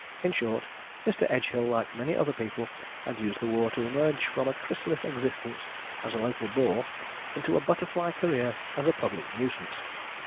In short, Mr. Edgehill, like many other people, had used the war to emerge from a chrysalis existence as a local bore into a butterfly career as a public nuisance.